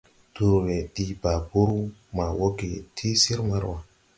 Durwe dii babur ma wooge ti sir Marua.